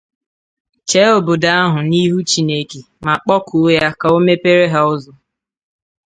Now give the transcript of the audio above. chee obodo ahụ n'ihu Chineke ma kpọkuo Ya ka O mepeere ha ụzọ.